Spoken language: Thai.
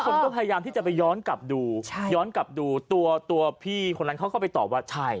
ทุกคนก็พยายามที่จะไปย้อนกลับดูตัวตัวพี่คนล้านเขาก็ไปตอบว่าใช่